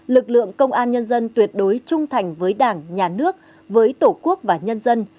lực lượng công an nhân dân tuyệt đối trung thành với đảng nhà nước với tổ quốc và nhân dân